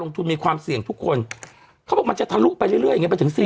ทุกคนเขาบอกว่ามันจะทดลุกไปเรื่อยร์อย่างงี้ไปถึงสี่